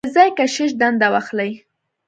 د ځايي کشیش دنده واخلي.